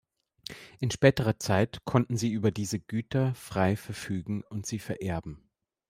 In späterer Zeit konnten sie über diese Güter frei verfügen und sie vererben.